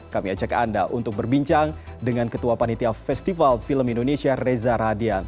kami ajak anda untuk berbincang dengan ketua panitia festival film indonesia reza radian